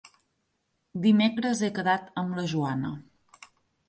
Dimecres he quedat amb la Joana.